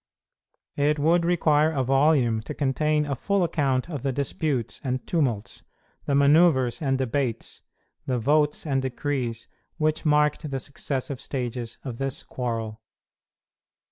It would require a volume to contain a full account of the disputes and tumults, the manoeuvres and debates, the votes and decrees, which marked the successive stages of this quarrel.